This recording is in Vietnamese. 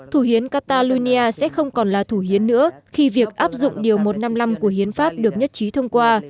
thủ hiến catalonia sẽ không còn là thủ hiến nữa khi việc áp dụng điều một trăm năm mươi năm của hiến pháp được nhất trí thông qua